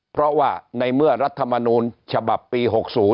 เพราะว่าในเมื่อรัฐมนูลฉบับปี๖๐